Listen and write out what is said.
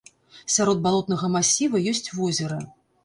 Сярод балотнага масіва ёсць возера.